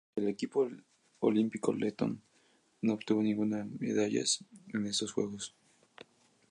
El equipo olímpico letón no obtuvo ninguna medallas en estos Juegos.